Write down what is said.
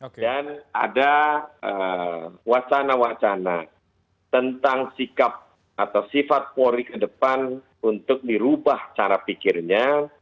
dan ada wacana wacana tentang sikap atau sifat polri ke depan untuk dirubah cara pikirnya